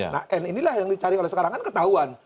nah inilah yang dicari oleh sekarang kan ketahuan